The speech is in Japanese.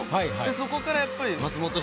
そこからやっぱり。